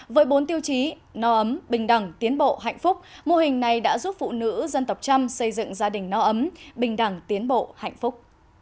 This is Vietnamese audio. với bốn tiêu chí no ấm bình đẳng tiến bộ hạnh phúc mô hình này đã giúp phụ nữ dân tộc trăm xây dựng gia đình no ấm bình đẳng tiến bộ hạnh phúc